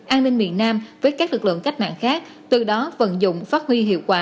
an ninh miền nam với các lực lượng cách mạng khác từ đó vận dụng phát huy hiệu quả